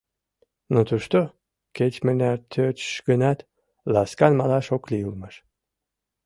Но тушто, кеч-мыняр тӧчыш гынат, ласкан малаш ок лий улмаш.